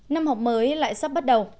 năm học mới lại sắp bắt đầu